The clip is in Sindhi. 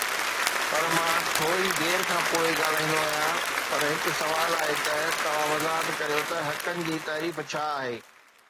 پر مان ٿوري دير کان پوءِ ڳالهائيندو آهيان، پر هڪ سوال آهي ته توهان وضاحت ڪريو ته حقن جي تعريف ڇا آهي؟